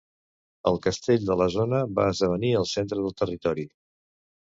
El castell de la zona va esdevenir el centre del territori.